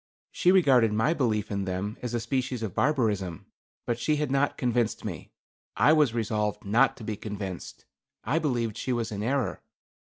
She regarded my belief in them as a species of barbarism. But she had not convinced me. I was resolved not to be convinced. I believed she was in error.